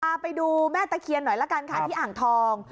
พาไปดูแม่ตะเคียนหน่อยละกันค่ะที่อ่างทอง